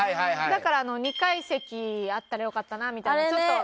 だから「２階席あったら良かったな」みたいな。